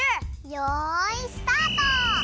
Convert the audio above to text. よいスタート！